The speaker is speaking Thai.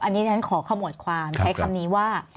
อันนี้ฉันขอขมวดความใช้คำนี้ว่า